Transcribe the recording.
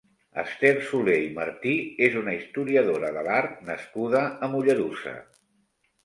Esther Solé i Martí és una historiadora de l'art nascuda a Mollerussa.